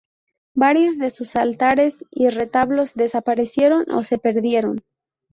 Varios de sus altares y retablos desaparecieron o se perdieron.